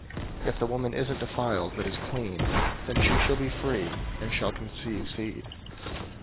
005:028 If the woman isn't defiled, but is clean; then she shall be free, and shall conceive seed.